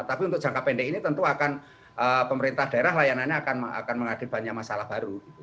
tapi untuk jangka pendek ini tentu akan pemerintah daerah layanannya akan menghadapi banyak masalah baru gitu